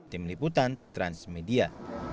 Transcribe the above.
tim liputan transmedia